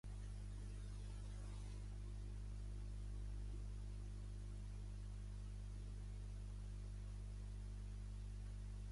A pesar d'aquesta oposició, va accedir al tron.